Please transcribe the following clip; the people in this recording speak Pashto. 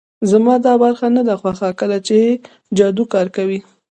زما دا برخه نه ده خوښه چې کله جادو کار کوي